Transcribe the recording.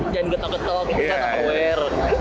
jangan getok getok kita gak aware